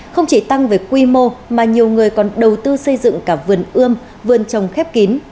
không chỉ tăng về quy mô mà nhiều người còn đầu tư xây dựng cả vườn ươm vườn trồng khép kín